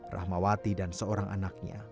ramawati dan seorang anaknya